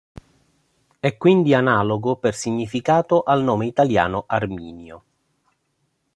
È quindi analogo per significato al nome italiano Arminio.